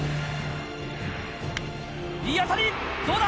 いい当たり、どうだ？